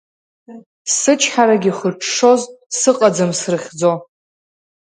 Сычҳарагьы хыҽҽоз, сыҟаӡам срыхьӡо.